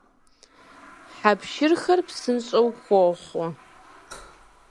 Хьэ пшырхэр псынщӀэу хохъуэ.